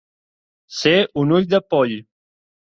Ser un ull de poll.